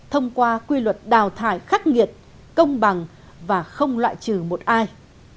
thông qua quy luật đào thải khắc nghiệt công bằng và không loại trừ một ai